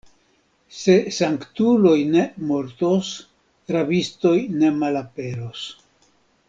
Se sanktuloj ne mortos, rabistoj ne malaperos.